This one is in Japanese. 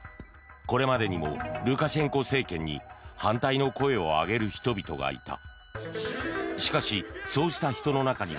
これまでにもルカシェンコ政権に反対の声を上げる人々がいた。